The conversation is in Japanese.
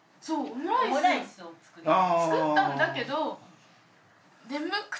作ったんだけど眠くて。